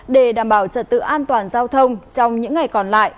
để đảm bảo trật tự an toàn giao thông trong những ngày còn lại